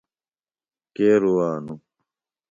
کے روانوۡ؟